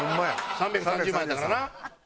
３３０万やったからな。